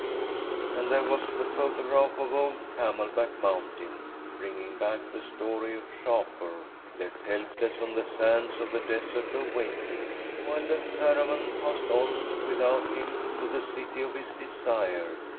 And there was the photograph of old Camelback Mountain, bringing back the story of Shapur, left helpless on the sands of the Desert of Waiting, while the caravan passed on without him to the City of his Desire.